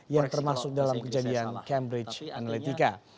yang termasuk dalam kejadian cambridge analytica